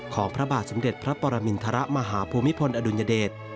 ของพระบาทสำเด็จพระปรมินทรมาหาภูมิพลอดุญเดช